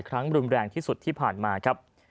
ครั้งรุนแรงที่สุดที่ผ่านมาครับ